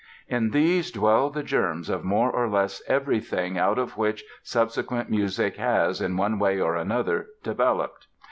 In these dwell the germs of more or less everything out of which subsequent music has, in one way or another, developed.